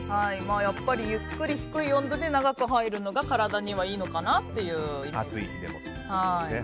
やっぱりゆっくり低い温度で長く入るのが体にはいいのかなと。